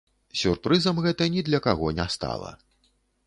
Сюрпрызам гэта ні для каго не стала.